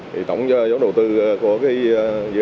thì tổng giáo đồ tư của cái dự án